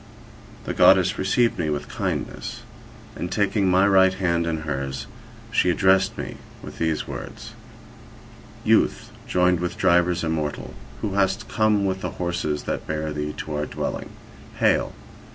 The goddess received me with kindness, and, taking my right hand in 25 hers, she addressed me with these words:—Youth joined with drivers immortal, who hast come with the horses that bear thee, to our dwelling, hail!